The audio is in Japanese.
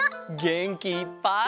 げんきいっぱい！